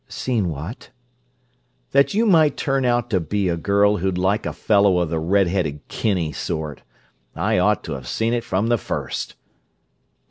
"Seen what?" "That you might turn out to be a girl who'd like a fellow of the red headed Kinney sort. I ought to have seen it from the first!"